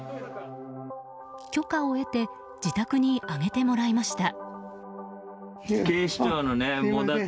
許可を得て自宅にあげてもらいました。